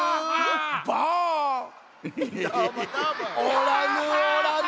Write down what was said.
「おらぬおらぬ」。